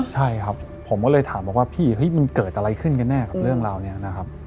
ใช่ครับผมก็เลยถามบอกว่าพี่มันเกิดอะไรขึ้นกันแน่กับเรื่องราวนี้นะครับ